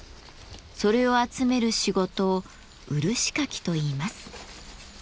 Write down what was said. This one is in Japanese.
それを集める仕事を漆かきといいます。